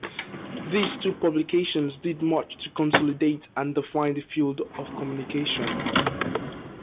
These two publications did much to consolidate and define the field of communication.